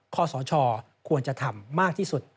ข้อสชควรจะทำมากที่สุด